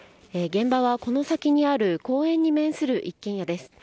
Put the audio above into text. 現場はこの先にある公園に面する一軒家です。